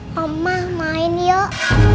mama main yuk